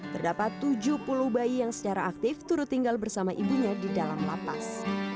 terdapat tujuh puluh bayi yang secara aktif turut tinggal bersama ibunya di dalam lapas